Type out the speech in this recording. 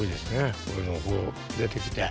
こういうのこう出てきて。